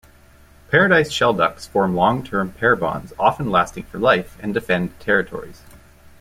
Paradise shelducks form long-term pair bonds, often lasting for life, and defend territories.